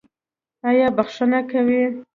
ایا بخښنه کوئ؟